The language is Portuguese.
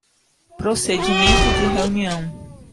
Procedimento de reunião